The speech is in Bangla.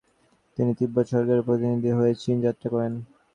তিনি তিব্বত সরকারের প্রতিনিধি হয়ে চীন যাত্রা করেন।